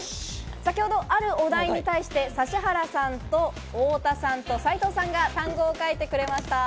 先ほど、あるお題に対して指原さんと太田さんと斉藤さんが単語を書いてくれました。